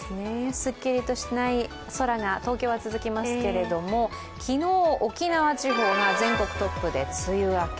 すっきりとしない空が東京は続きますけれども昨日、沖縄地方が全国トップで梅雨明け。